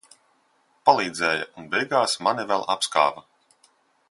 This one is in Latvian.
Palīdzēja un beigās mani vēl apskāva.